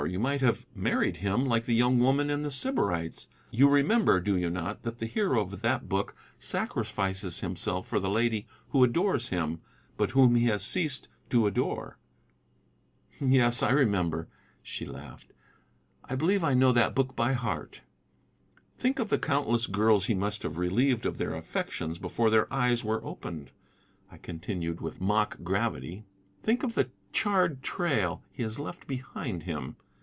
You might have married him, like the young woman in The Sybarites. You remember, do you not, that the hero of that book sacrifices himself for the lady who adores him, but whom he has ceased to adore?" "Yes, I remember," she laughed; "I believe I know that book by heart." "Think of the countless girls he must have relieved of their affections before their eyes were opened," I continued with mock gravity. "Think of the charred trail he has left behind him.